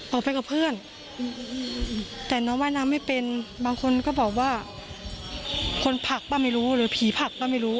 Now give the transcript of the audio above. เอาไปกับเพื่อนแต่น้องไว้น้ำไม่เป็นบางคนก็บอกว่าคนผักหรือผีผักก็ไม่รู้